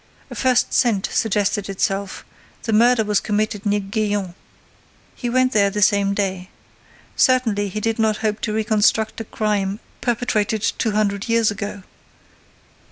A first scent suggested itself: the murder was committed near Gaillon. He went there that same day. Certainly, he did not hope to reconstruct a crime perpetrated two hundred years ago.